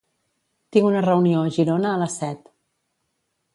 Tinc una reunió a Girona a les set.